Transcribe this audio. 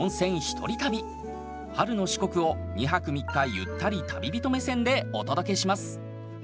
春の四国を２泊３日ゆったり旅人目線でお届けします。